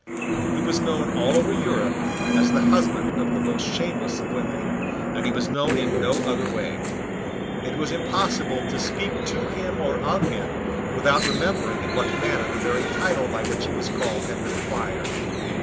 He was known all over Europe as the husband of the most shameless of women; and he was known in no other way. It was impossible to speak to him or of him without remembering in what manner the very title by which he was called had been acquired.